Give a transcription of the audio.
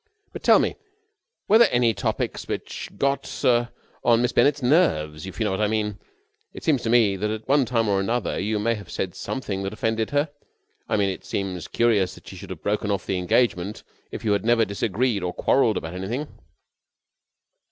But, tell me, were there any topics which got on Miss Bennett's nerves, if you know what I mean? It seems to me that at one time or another you may have said something that offended her. I mean, it seems curious that she should have broken off the engagement if you had never disagreed or quarrelled about anything."